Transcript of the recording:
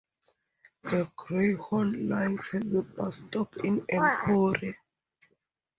The Greyhound Lines has a bus stop in Emporia.